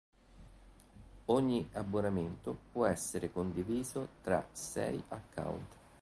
Ogni abbonamento può essere condiviso tra sei account.